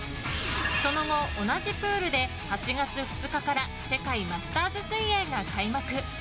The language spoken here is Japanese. その後、同じプールで８月２日から世界マスターズ水泳が開幕。